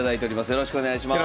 よろしくお願いします。